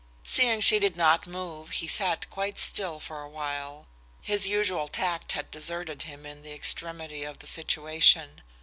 Seeing she did not move, he sat quite still for a while. His usual tact had deserted him in the extremity of the situation.